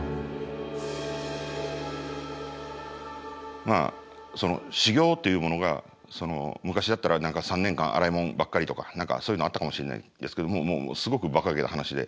まあ修業というものが昔だったら３年間洗い物ばっかりとか何かそういうのあったかもしれないですけどももうもうすごくばかげた話で。